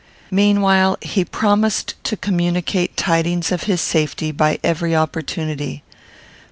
Meanwhile, he promised to communicate tidings of his safety by every opportunity.